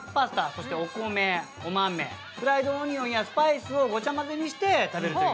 そしてお米お豆フライドオニオンやスパイスをごちゃ混ぜにして食べるという。